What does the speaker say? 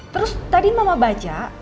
terus tadi mama baca